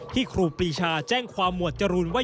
ที่ครูปีชาแจ้งความหมวดจรูนว่า